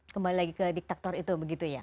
kembali lagi ke diktator itu begitu ya